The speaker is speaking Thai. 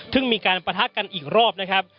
ซึ่งมีการปะทะกันอีกรอบนะครับ